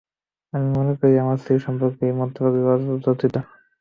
আমি মনে করি আমার স্ত্রী সম্পর্কে ওই মন্তব্যগুলি অযাচিত।